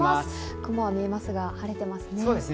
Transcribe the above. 雲は見えますが晴れていますね。